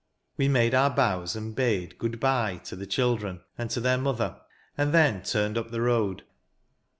We made our bows, and hade " Good bye" to the children and to their mother, and then turned up the road.